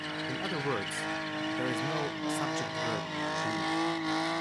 In other words, there is no subject-verb agreement.